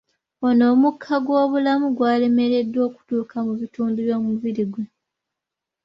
Ono omukka gw’obulamu gwalemereddwa okutuuka mu bitundu by’omubiri gwe.